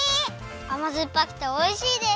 あまずっぱくておいしいです！